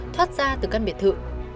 thoát ra từ căn biệt thự